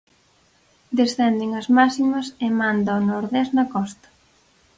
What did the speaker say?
Descenden as máximas e manda o nordés na costa.